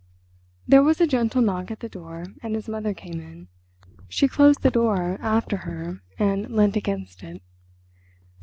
There was a gentle knock at the door and his mother came in. She closed the door after her and leant against it.